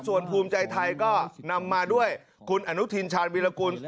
ส่วนภูมิใจไทยก็นำมาด้วยคุณอนุทินชาญวิรากุล